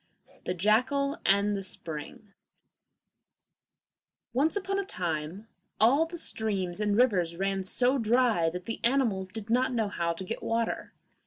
] The Jackal and the Spring Once upon a time all the streams and rivers ran so dry that the animals did not know how to get water.